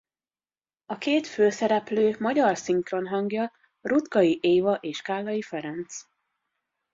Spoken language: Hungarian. A két főszereplő magyar szinkronhangja Ruttkai Éva és Kállai Ferenc.